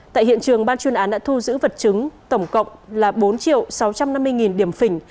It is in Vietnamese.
tại hiện trường ban chuyên án đã thu giữ vật chứng tổng cộng là bốn sáu trăm năm mươi điểm phỉnh